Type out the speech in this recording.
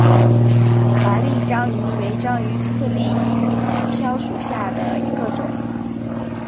华丽章鱼为章鱼科丽蛸属下的一个种。